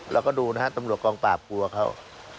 เราก็ดูนะฮะตำรวจกองปราบกลัวเขา